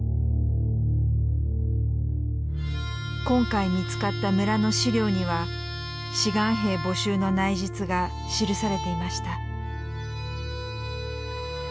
今回見つかった村の資料には志願兵募集の内実が記されていました。